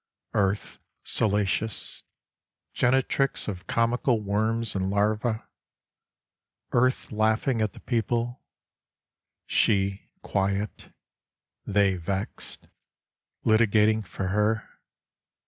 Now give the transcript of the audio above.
Earth salacious, genetrix of comical Worms and larvae, Earth laughing at the people, She quiet, they vexed, litigating for her.